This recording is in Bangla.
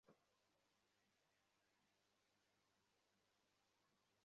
দলের সর্বভারতীয় সাধারণ সম্পাদক রাম মাধবও ত্রিপুরা সফরকালে সাংবাদিক হত্যাকাণ্ডের নিন্দা করেন।